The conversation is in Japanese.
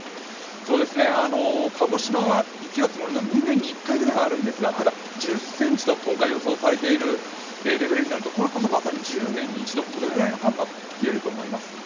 鹿児島は、雪が積もるのは２年に１回ぐらいはあるんですがただ１０ｃｍと今回予想されているレベルになるとこれこそまさに１０年に一度、そのぐらいの寒波といえると思います。